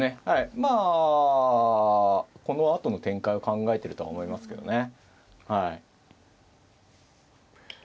まあこのあとの展開を考えてるとは思いますけどねはい。